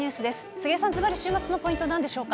杉江さん、ずばり週末のポイント、なんでしょうか。